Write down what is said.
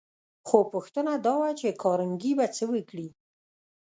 خو پوښتنه دا وه چې کارنګي به څه وکړي